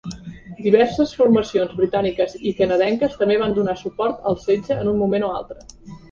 Diverses formacions britàniques i canadenques també van donar suport al setge en un moment o altre.